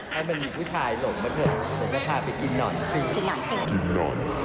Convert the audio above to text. ให้มันอยู่ผู้ชายหลงก่อนผมก็ลงไปกินนอนฟื้น